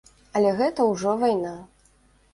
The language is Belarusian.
Але гэта ўжо вайна.